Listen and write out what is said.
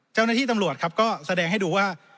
เจ้าหน้าที่ตำรวจครับก็แสดงให้ดูว่า